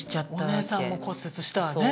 お姉さんも骨折したわね。